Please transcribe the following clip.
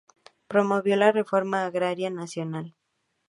Promovió la Reforma Agraria nacional.